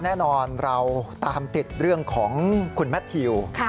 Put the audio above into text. แน่นอนเราตามติดเรื่องของคุณแมททิว